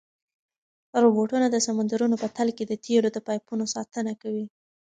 روبوټونه د سمندرونو په تل کې د تېلو د پایپونو ساتنه کوي.